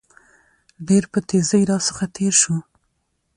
ډېر په تېزى راڅخه تېر شو.